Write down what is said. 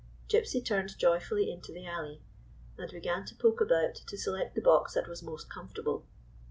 Gypsy turned joyfully into the alley, and began to poke about to select the box that was most comfortable.